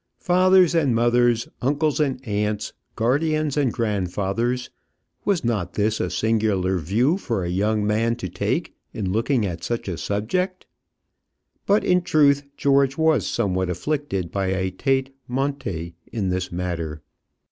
Fathers and mothers, uncles and aunts, guardians and grandfathers, was not this a singular view for a young man to take in looking at such a subject? But in truth George was somewhat afflicted by a tête monté in this matter.